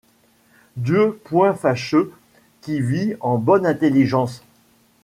Dieu point fâcheux qui vit en bonne intelligence